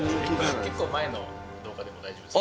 結構前の動画でも大丈夫ですか？